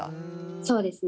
そうですね。